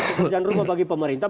perhitungan rumah bagi pemerintah